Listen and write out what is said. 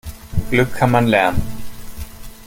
Glück kann man lernen.